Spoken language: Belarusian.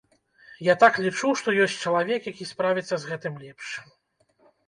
Я так лічу, што ёсць чалавек, які справіцца з гэтым лепш.